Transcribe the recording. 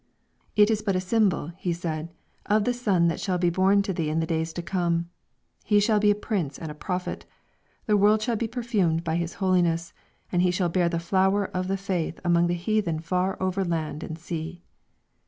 "It is but a symbol," he said, "of the son that shall be born to thee in the days to come. He shall be a prince and a prophet; the world shall be perfumed by his holiness; and he shall bear the flower of the faith among the heathen far over land and sea."